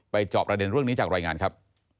จอบประเด็นเรื่องนี้จากรายงานครับ